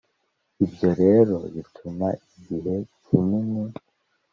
ibyo rero bituma igihe kinini